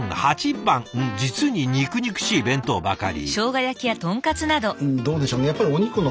うん実に肉々しい弁当ばかり！